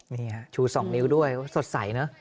นี่ฮะชู๒นิ้วด้วยสดใสนะ